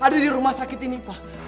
ada di rumah sakit ini pak